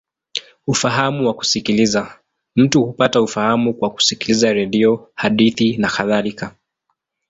Ufahamu wa kusikiliza: mtu hupata ufahamu kwa kusikiliza redio, hadithi, nakadhalika.